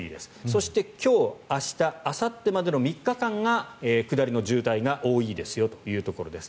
そして今日、明日あさってまでの３日間が下りの渋滞が多いですよというところです。